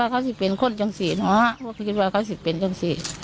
ขึ้นมากครับน้อง